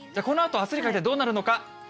このあと、あすにかけてどうなるのか。